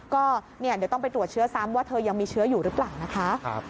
ก็เดี๋ยวต้องไปตรวจเชื้อซ้ำว่าเธอยังมีเชื้ออยู่หรือเปล่านะคะ